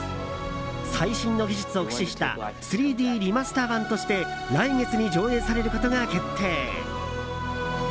最新の技術を駆使した３Ｄリマスター版として来月に上映されることが決定。